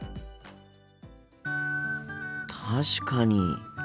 確かに。